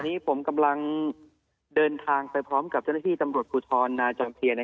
นี้ผมกำลังเดินทางไปพร้อมกับเจ้าหน้าที่ตำรวจภูทรนาจอมเทียน